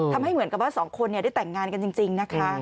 ทำให้เหมือนกับว่าสองคนได้แต่งงานกันจริงนะคะ